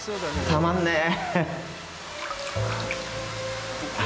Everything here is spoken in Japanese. たまんねぇ！